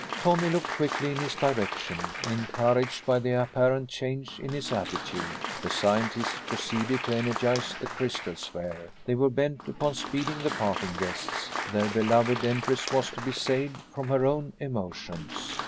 Tommy looked quickly in his direction, encouraged by the apparent change in his attitude. The scientists proceeded to energize the crystal sphere. They were bent upon speeding the parting guests. Their beloved empress was to be saved from her own emotions.